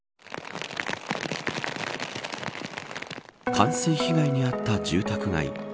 冠水被害に遭った住宅街。